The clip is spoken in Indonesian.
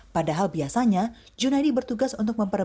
padahal biasanya junaydi bertugas untuk memperoleh